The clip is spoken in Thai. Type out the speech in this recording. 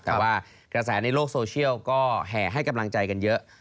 แต่ว่ากระแสในโลกโซเชียลก็แห่ให้กำลังใจกันเยอะ